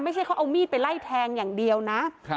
ไม่ใช่เขาเอามีดไปไล่แทงอย่างเดียวนะ